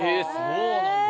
そうなんだ。